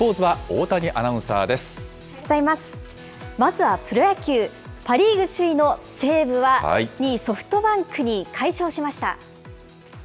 まずはプロ野球、パ・リーグ首位の西武は、２位ソフトバンクに快勝しました。